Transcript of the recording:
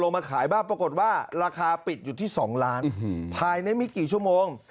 มาขายบ้างปรากฏว่าราคาปิดอยู่ที่๒ล้านภายในไม่กี่ชั่วโมง